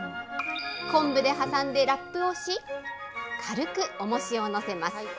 昆布で挟んでラップをし、軽くおもしをのせます。